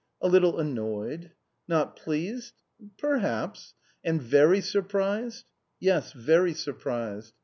"A little annoyed." "Not pleased?" "Perhaps!" "And very surprised?" "Yes, very surprised."